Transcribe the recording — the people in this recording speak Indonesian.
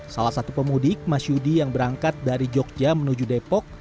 salah satu pemudik mas yudi yang berangkat dari jogja menuju depok